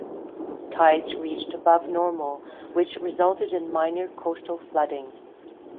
Tides reached above normal, which resulted in minor coastal flooding.